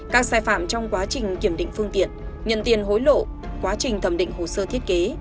các sai phạm trong quá trình kiểm định phương tiện nhận tiền hối lộ quá trình thẩm định hồ sơ thiết kế